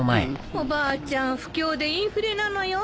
おばあちゃん不況でインフレなのよ。